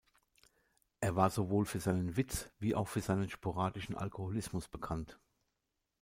Er war sowohl für seinen Witz wie auch für seinen sporadischen Alkoholismus bekannt.